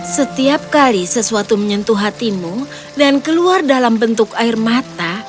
setiap kali sesuatu menyentuh hatimu dan keluar dalam bentuk air mata